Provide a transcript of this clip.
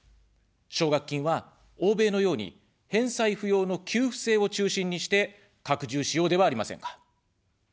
奨学金は、欧米のように返済不要の給付制を中心にして、拡充しようではありませんか。